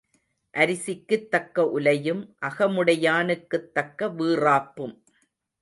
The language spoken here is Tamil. அரிசிக்குத் தக்க உலையும் அகமுடையானுக்குத் தக்க வீறாப்பும்.